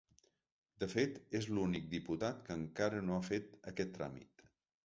De fet, és l’únic diputat que encara no ha fet aquest tràmit.